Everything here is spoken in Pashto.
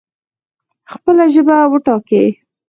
خپله ژبه وټاکئ